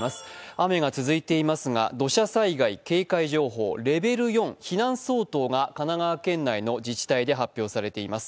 雨が続いていますが土砂災害警戒情報レベル４、避難相当が神奈川県内の自治体で発表されています。